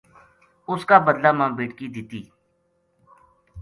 اس کا بدلہ ما بیٹکی دِتی